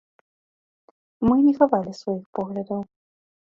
Мы не хавалі сваіх поглядаў.